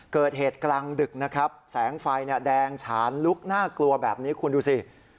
เกิดเหตุกลางดึกนะครับแสงไฟแดงฉานลุกน่ากลัวแบบนี้คุณดูสิ